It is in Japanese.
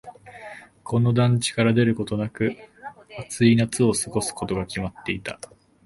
この団地から出ることなく、暑い夏を過ごすことが決まっていた。